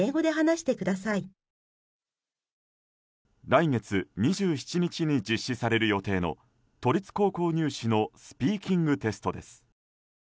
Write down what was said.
来月２７日に実施される予定の都立高校入試のスピーキングテストです。